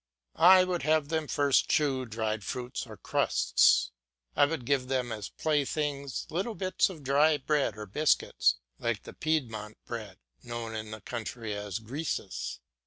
I would have them first chew dried fruit or crusts. I should give them as playthings little bits of dry bread or biscuits, like the Piedmont bread, known in the country as "grisses."